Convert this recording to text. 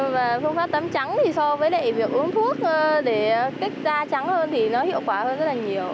và phương pháp tắm trắng thì so với đại biểu uống thuốc để kích da trắng hơn thì nó hiệu quả hơn rất là nhiều